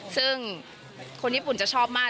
ซึ่งคนญี่ปุ่นจะชอบมาก